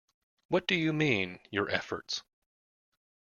What do you mean, your efforts?